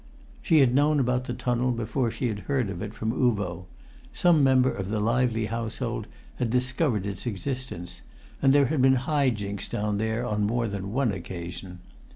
She had known about the tunnel before she had heard of it from Uvo; some member of the lively household had discovered its existence, and there had been high jinks down there on more than one occasion.